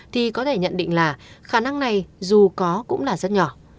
thì có thể nhận định là khả năng này dù có cũng là rất nhỏ